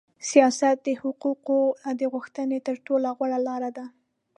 سیاست د حقوقو د غوښتنې تر ټولو غوړه لار ده.